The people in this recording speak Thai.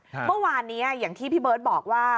เมื่อวานนี้อย่างที่พี่เบิร์ตบอกว่า